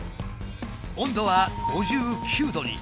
温度は５９℃に。